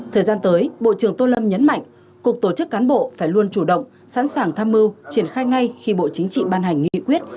thời gian tới bộ trưởng tô lâm nhấn mạnh cục tổ chức cán bộ phải luôn chủ động sẵn sàng tham mưu triển khai ngay khi bộ chính trị ban hành nghị quyết